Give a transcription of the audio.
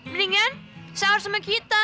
mendingan sahur sama kita